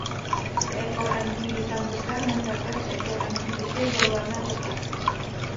Seekor anjing hitam besar mencakar seekor anjing kecil berwarna coklat.